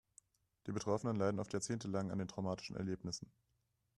Die Betroffenen leiden oft jahrzehntelang an den traumatischen Erlebnissen.